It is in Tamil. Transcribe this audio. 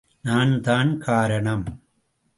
நான் தான் காரணம்!